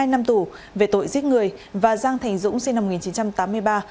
một mươi năm tù về tội giết người và giang thành dũng sinh năm một nghìn chín trăm tám mươi ba